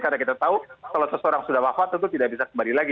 karena kita tahu kalau seseorang sudah wafat tentu tidak bisa kembali lagi